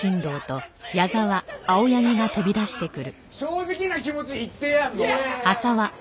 正直な気持ち言ってやんの。